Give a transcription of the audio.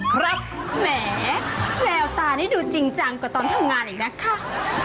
แหมแววตานี่ดูจริงจังกว่าตอนทำงานอีกนะคะ